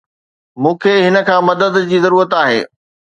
مون کي هن کان مدد جي ضرورت آهي.